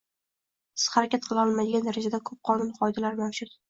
Siz harakat qila olmaydigan darajada koʻp qonun-qoidalar mavjud.